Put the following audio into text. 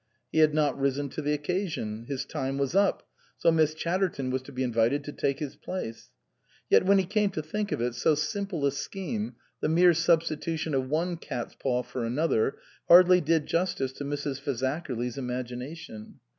He had not risen to the occasion ; his time was up, so Miss Chatterton was to be invited to take his place. Yet, when he came to think of it, so simple a scheme, the mere substitution of one cat's paw for another, hardly did justice to Mrs. Fazakerly's imagination.